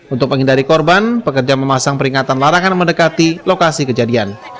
untuk menghindari korban pekerja memasang peringatan larangan mendekati lokasi kejadian